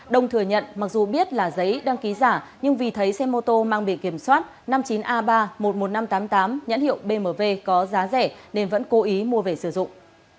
đông thừa nhận mặc dù biết là giấy đăng ký giả nhưng vì thấy xe mô tô mang bì kiểm soát năm mươi chín a ba một mươi một nghìn năm trăm tám mươi tám nhãn hiệu bmw có giá rẻ nên vẫn cố ý mua về sử dụng